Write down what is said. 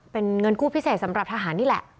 เป็นเงินกู้พิเศษสำหรับทหารนี่แหละ